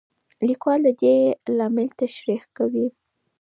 لیکوال د دې لامل تشریح کوي.